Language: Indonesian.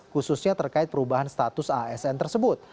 khususnya terkait perubahan status asn tersebut